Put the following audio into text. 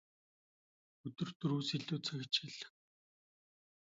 Өдөрт дөрвөөс илүү цаг хичээллэхгүй.